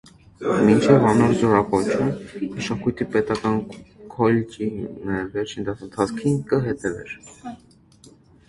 Մինչեւ անոր զօրակոչը, մշակոյթի պետական քոլյճի վերջին դասընթացքին կը հետեւէր։